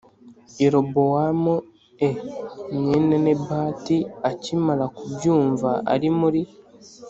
Yerobowamu e mwene nebati akimara kubyumva ari muri